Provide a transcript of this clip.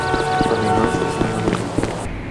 Además, es una madre soltera.